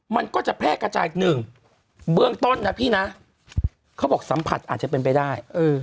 มันก็จะแพร่กระจายหนึ่งเบื้องต้นนะพี่นะเขาบอกสัมผัสอาจจะเป็นไปได้